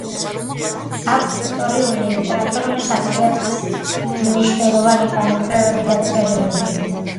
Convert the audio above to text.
აქვს ისტორიული და ლიტერატურული ხასიათის მნიშვნელოვანი გამოკვლევები და წერილები.